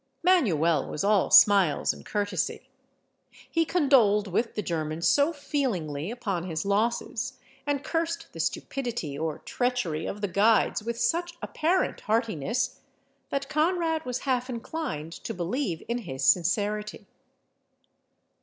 Manuel was all smiles and courtesy. He condoled with the German so feelingly upon his losses, and cursed the stupidity or treachery of the guides with such apparent heartiness, that Conrad was half inclined to believe in his sincerity.